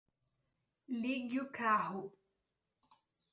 Ligue o carro